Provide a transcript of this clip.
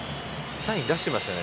サイン出してましたね。